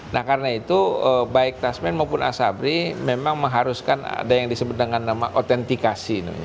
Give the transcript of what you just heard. nah karena itu baik tasmen maupun asabri memang mengharuskan ada yang disebut dengan nama otentikasi